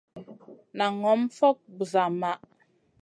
Nan ŋòm fokŋ busa maʼh.